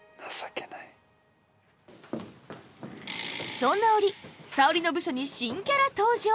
そんな折沙織の部署に新キャラ登場！